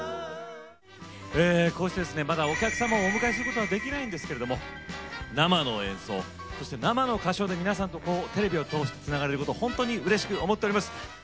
こうしてですねまだお客様をお迎えすることはできないんですけれども生の演奏、そして生の歌唱で皆さんとテレビを通してつながれることを本当にうれしく思っております。